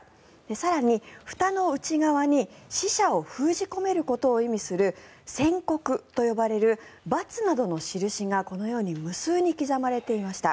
更に、ふたの内側に死者を封じ込めることを意味する線刻と呼ばれるバツなどのしるしがこのように無数に刻まれていました。